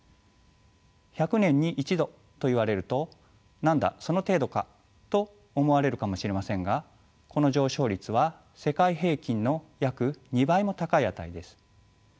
１００年に１℃といわれると何だその程度かと思われるかもしれませんがこの上昇率は世界平均の約２倍も高い値です。